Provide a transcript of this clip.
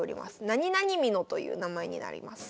なになに美濃という名前になります。